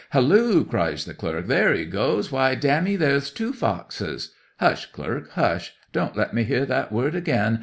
'"Halloo!" cries the clerk. "There he goes! Why, dammy, there's two foxes—" '"Hush, clerk, hush! Don't let me hear that word again!